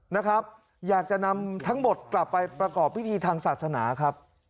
นะครับอยากจะนำทั้งหมดกลับไปประกอบพิธีทางศาสนาครับ